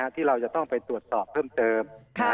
ที่เราจะต้องไปตรวจสอบเพิ่มเติม